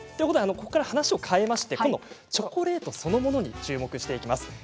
ここから話を変えまして今度はチョコレートそのものに注目していきます